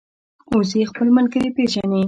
وزې خپل ملګري پېژني